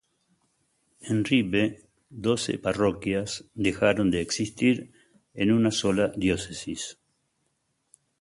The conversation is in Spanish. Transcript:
En Ribe doce parroquias dejaron de existir en una sola diócesis.